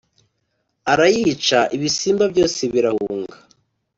arayica ibisimba byose birahunga.